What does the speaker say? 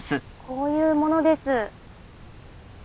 こういう者です。